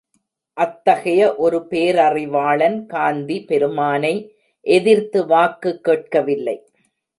அத்தகைய ஒரு பேரறிவாளன் காந்தி பெருமானை எதிர்த்து வாக்கு கேட்கவில்லை.